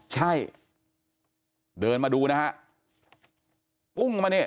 ใช่เดินมาดู